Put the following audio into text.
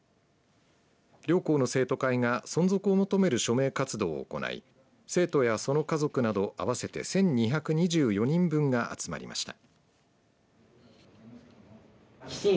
両校の生徒会が存続を求める署名活動を行い生徒やその家族など合わせて１２２４人分が集まりました。